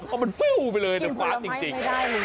เอาไปเลยฟ้าจริง